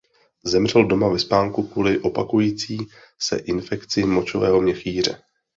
Zemřel doma ve spánku kvůli opakující se infekci močového měchýře.